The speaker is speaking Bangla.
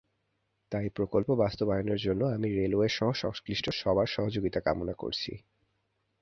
তাই প্রকল্প বাস্তবায়নের জন্য আমি রেলওয়েসহ সংশ্লিষ্ট সবার সহযোগিতা কামনা করছি।